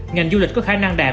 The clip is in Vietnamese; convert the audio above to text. ngành du lịch có khả năng đạt